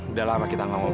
udah lama kita gak ngobrol